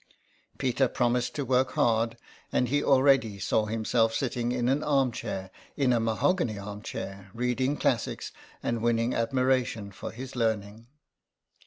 Peter promised to work hard, and he already saw himself sitting in an armchair, in a mahogany armchair, read ing classics, and winning admiration for his learning.